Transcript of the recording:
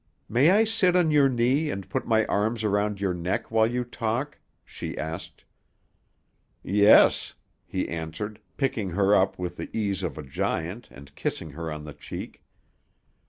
"May I sit on your knee, and put my arms around your neck while you talk?" she asked. "Yes," he answered, picking her up with the ease of a giant, and kissing her on the cheek.